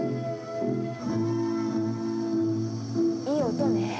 いい音ね。